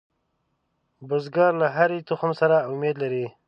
بزګر له هرې تخم سره امید لري